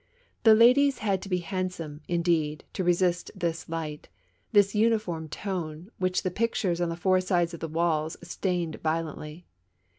The ladies had to be handsome, indeed, to resist this light, this uniform tone, which the pictures on the four sides of the walls stained violently.